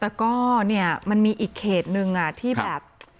แต่ก็เนี่ยมันมีอีกเขตนึงที่แบบ